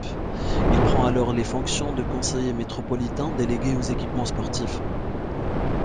Il prend alors les fonctions de conseiller métropolitain délégué aux Équipements Sportifs.